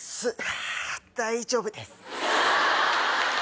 あ大丈夫です。